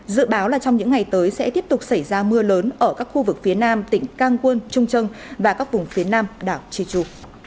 dự báo là trong những ngày tới sẽ tiếp tục xảy ra mưa lớn ở các khu vực phía nam tỉnh cang quân trung trân và các vùng phía nam đảo chi chu